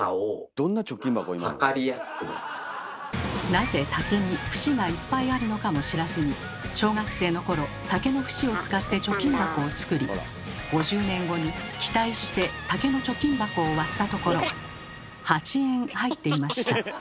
なぜ竹に節がいっぱいあるのかも知らずに小学生の頃竹の節を使って貯金箱を作り５０年後に期待して竹の貯金箱を割ったところ８円入っていました。